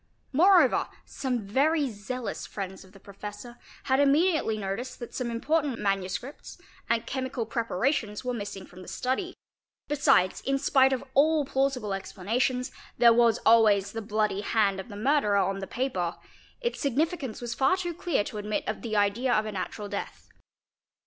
4 Moreover, some very zealous friends of the professor had immediately noticed that some important manuscripts and chemical preparations were missing from the study; besides, in spite of all plausible explanations, _ there was always the bloody hand of the murderer on the paper ; its significance was far too clear to admit of the idea of a natural death.